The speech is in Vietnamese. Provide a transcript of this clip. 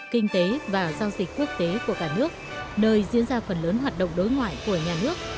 kinh tế và giao dịch quốc tế của cả nước nơi diễn ra phần lớn hoạt động đối ngoại của nhà nước